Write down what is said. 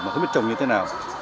mà không biết trồng như thế nào